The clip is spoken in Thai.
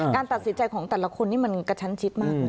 การตัดสินใจของแต่ละคนนี้มันกระชั้นชิดมากเลย